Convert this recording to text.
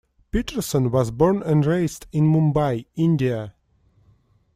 Peterson was born and raised in Mumbai, India.